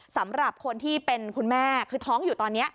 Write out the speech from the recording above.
สำหรับคนที่เป็นคุณแม่คือท้องอยู่ตอนนี้